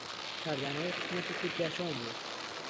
کاردانەوەی حکوومەتی تورکیا چۆن بوو؟